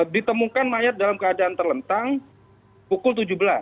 ditemukan mayat dalam keadaan terlentang pukul tujuh belas